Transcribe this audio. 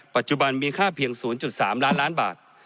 ปัจจุบันมีค่าเพียง๐๓ล้านล้านบาท